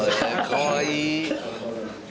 かわいい。